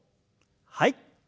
はい。